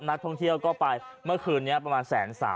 นักท่องเที่ยวก็ไปเมื่อคืนนี้ประมาณ๑๓๐๐